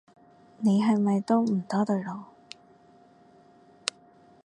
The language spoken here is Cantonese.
你係咪都唔多對路